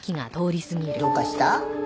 どうかした？